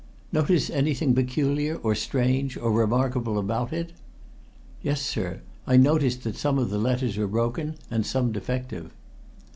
"Notice anything peculiar, or strange, or remarkable about it?" "Yes, sir, I notice that some of the letters were broken and some defective."